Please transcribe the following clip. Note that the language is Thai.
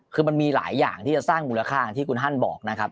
คือมันมีหลายอย่างที่จะสร้างมูลค่าอย่างที่คุณฮั่นบอกนะครับ